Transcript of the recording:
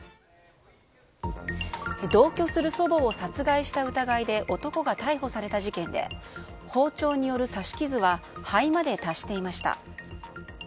同居する祖母を殺害した疑いで男が逮捕された事件で包丁による刺し傷は肺まで達していました。